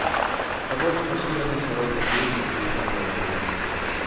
Найбольш пашыраны сярод дзяцей і людзей пажылога ўзросту.